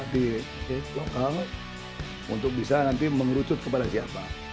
kita nanti mengerucut kepada siapa